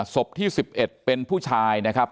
ศพที่๑๑เป็นผู้ชายนะครับ